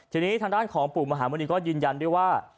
ทีนี้ทางด้านของปู่มหามณีก็ยืนยันด้วยว่า